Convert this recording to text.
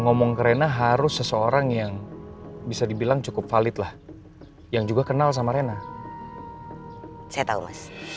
ngomong karena harus seseorang yang bisa dibilang cukup valid lah yang juga kenal sama rena saya